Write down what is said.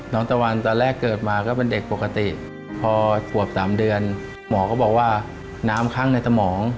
ตะวันตอนแรกเกิดมาก็เป็นเด็กปกติพอขวบ๓เดือนหมอก็บอกว่าน้ำข้างในสมอง